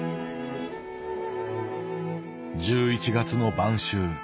１１月の晩秋